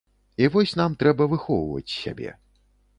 І вось нам трэба выхоўваць сябе.